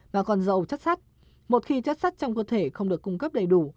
mà còn dậu chất sắt một khi chất sắt trong cơ thể không được cung cấp đầy đủ